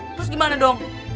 terus gimana dong